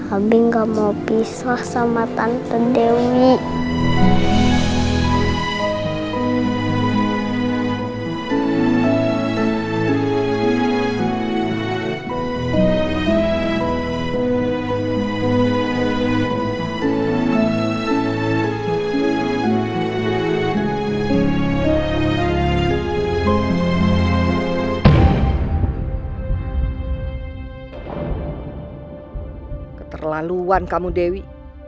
abi gak mau pisah sama tante dewi